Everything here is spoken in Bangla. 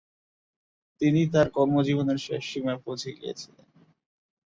তিনি তার কর্মজীবনের শেষসীমায় পৌছে গিয়েছিলেন।